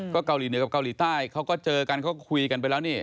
เกาหลีเหนือกับเกาหลีใต้เขาก็เจอกันเขาคุยกันไปแล้วนี่